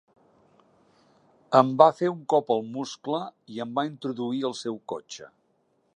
Em va fer un cop al muscle i em va introduir al seu cotxe.